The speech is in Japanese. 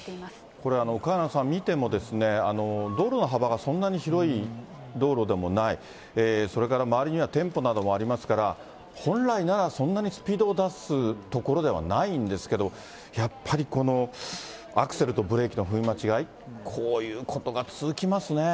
これ、萱野さん、見ても道路の幅がそんなに広い道路でもない、それから周りには店舗などもありますから、本来ならそんなにスピードを出す所ではないんですけれども、やっぱりこのアクセルとブレーキの踏み間違い、こういうことが続きますね。